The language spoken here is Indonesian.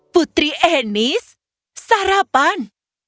putri enis sarapan